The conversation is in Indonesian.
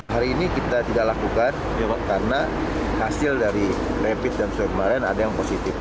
hari ini kita tidak lakukan karena hasil dari rapid dan swab kemarin ada yang positif